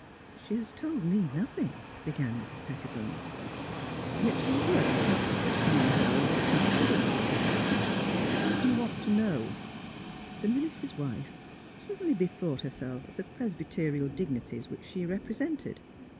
She has told me nothing," began Mrs. Petti bone. *' Yet you were cross questioning her with con siderable adroitness. What do you want to know? " The minister's wife suddenly bethought herself of the Presbyterial dignities which she repre sented.